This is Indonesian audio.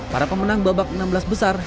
para pemenang babak enam belas besar